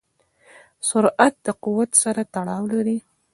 سرعت د قوت سره تړاو لري.